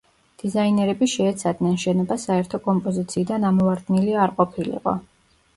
დიზაინერები შეეცადნენ, შენობა საერთო კომპოზიციიდან ამოვარდნილი არ ყოფილიყო.